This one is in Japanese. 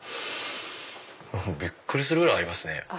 びっくりするぐらい合いますね。